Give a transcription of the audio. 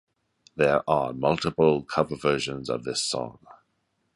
There are multiple cover versions of this song.